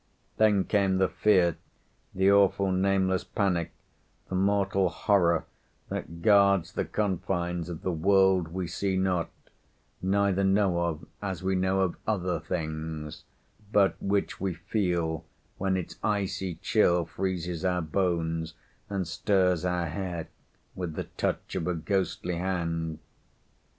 Then came the fear, the awful nameless panic, the mortal horror that guards the confines of the world we see not, neither know of as we know of other things, but which we feel when its icy chill freezes our bones and stirs our hair with the touch of a ghostly hand.